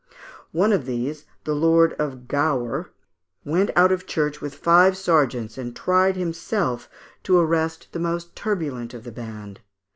One of these, the lord of Gaure, went out of church with five sergeants, and tried himself to arrest the most turbulent of the band.